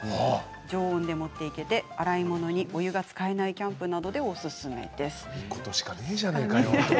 常温で持っていけて洗い物にお湯が使えないキャンプなどでおすすめです。